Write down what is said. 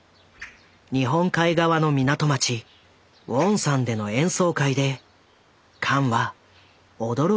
日本海側の港町ウォンサンでの演奏会でカンは驚くべき光景を目にする。